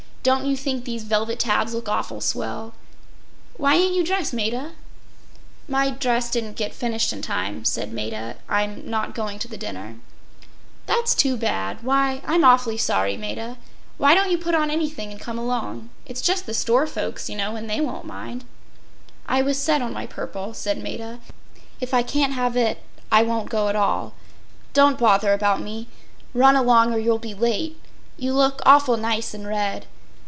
Don’t you think these velvet tabs look awful swell? Why ain’t you dressed, Maida?” “My dress didn’t get finished in time,” said Maida. “I’m not going to the dinner.” “That’s too bad. Why, I’m awfully sorry, Maida. Why don’t you put on anything and come along—it’s just the store folks, you know, and they won’t mind.” “I was set on my purple,” said Maida. “If I can’t have it I won’t go at all. Don’t bother about me. Run along or you’ll be late. You look awful nice in red.